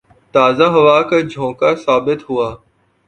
تازہ ہوا کا جھونکا ثابت ہوا